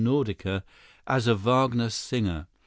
Nordica as a Wagner singer.